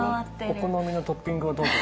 お好みのトッピングをどうぞ。